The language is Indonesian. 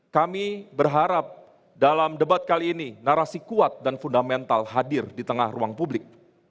kami berharap dalam debat kali ini narasi kuat dan fundamental hadir di tengah ruang publik